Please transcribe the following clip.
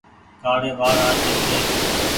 ڪآڙي وآڙ آڇي ڇي۔